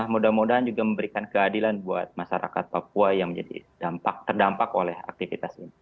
mudah mudahan juga memberikan keadilan buat masyarakat papua yang menjadi terdampak oleh aktivitas ini